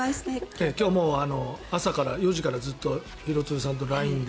今日は朝から４時から廣津留さんとＬＩＮＥで。